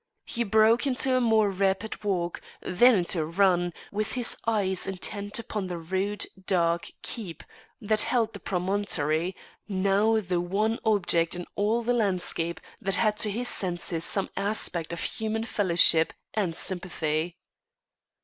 He broke into a more rapid walk, then into a run, with his eyes intent upon the rude dark keep that held the promontory, now the one object in all the landscape that had to his senses some aspect of human fellowship and sympathy.